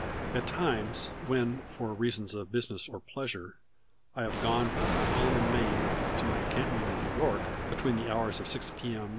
At times when for reasons of business or pleasure I have gone from my home in Maine to my encampment in New York, between the hours of six P.M.